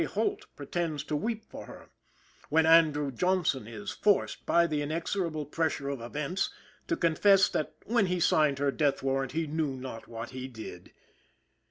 Holt pretends to weep for her; when Andrew Johnson is forced, by the inexorable pressure of events, to confess that when he signed her death warrant he knew not what he did.